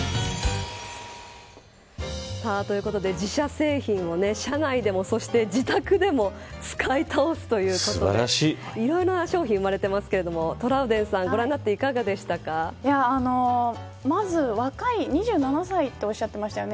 ということで、自社製品を社内でも、そして自宅でも使い倒す、ということでいろいろな商品生まれていますけれどもトラウデンさん、ご覧になってまず若い、２７歳とおっしゃってましたね。